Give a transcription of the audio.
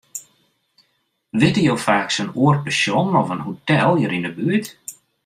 Witte jo faaks in oar pensjon of in hotel hjir yn 'e buert?